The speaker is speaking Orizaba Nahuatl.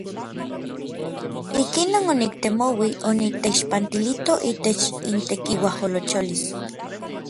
Ikinon oniktemouij onikteixpantilito itech intekiuajolocholis.